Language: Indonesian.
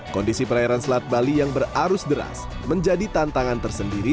kondisi perairan selat bali yang berarus deras menjadi tantangan tersendiri